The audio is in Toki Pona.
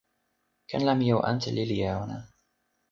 ken la mi o ante lili e ona.